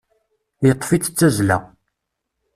Yeṭṭef-itt d tazzla.